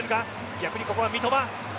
逆にここは三笘。